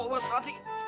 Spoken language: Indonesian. terima kasih patok